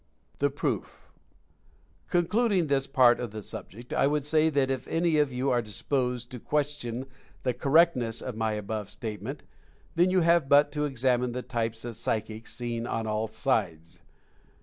THE PROOF. Concluding this part of the subject, I would say that if any of you are disposed to question the cor rectness of my above statement, then you have but to examine the types of "psychics" seen on all sides.